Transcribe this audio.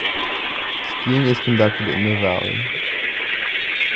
Skiing is conducted in the valley.